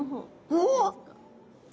おっ！？